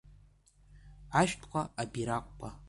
Ашәҭқәа, абираҟқәа…